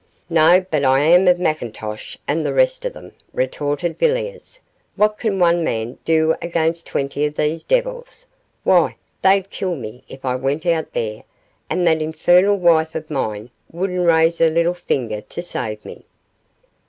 'No, but I am of McIntosh and the rest of them,' retorted Villiers. 'What can one man do against twenty of these devils. Why, they'd kill me if I went out there; and that infernal wife of mine wouldn't raise her little finger to save me.